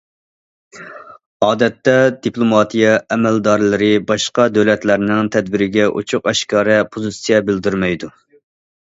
ئادەتتە، دىپلوماتىيە ئەمەلدارلىرى باشقا دۆلەتلەرنىڭ تەدبىرىگە ئوچۇق- ئاشكارا پوزىتسىيە بىلدۈرمەيدۇ.